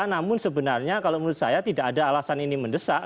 namun sebenarnya kalau menurut saya tidak ada alasan ini mendesak